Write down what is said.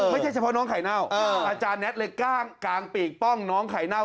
ไม่ใช่เฉพาะน้องไข่เน่าอาจารย์แน็ตเลยกลางปีกป้องน้องไข่เน่า